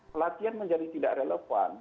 pelatihan menjadi tidak relevan